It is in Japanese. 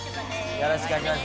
よろしくお願いします